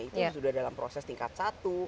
itu sudah dalam proses tingkat satu